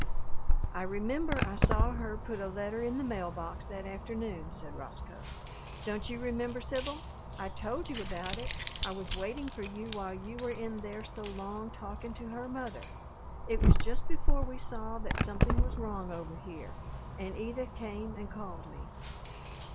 "I remember I saw her put a letter in the mail box that afternoon," said Roscoe. "Don't you remember, Sibyl? I told you about it I was waiting for you while you were in there so long talking to her mother. It was just before we saw that something was wrong over here, and Edith came and called me."